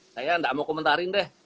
saya nggak mau komentarin deh